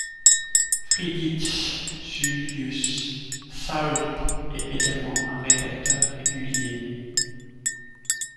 Friedrich Julius Stahl est également un rédacteur régulier.